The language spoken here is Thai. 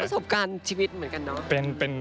คือว่าเป็นประสบการณ์ชีวิตเหมือนกันเนอะ